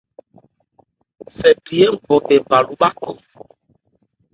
Sɛ bhri ngbɔ bɛn bha lo bháthó.